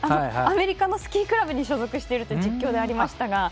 アメリカのスキークラブに所属していると実況でありましたが。